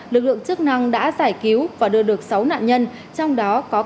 lực lượng chức năng đã giải cứu và đưa được sáu nạn nhân trong đó có cả trẻ nhỏ vào bờ an toàn